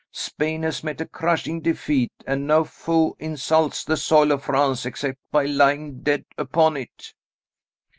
Spain has met a crushing defeat, and no foe insults the soil of France except by lying dead upon it."